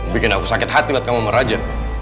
bikin aku sakit hati liat kamu sama raja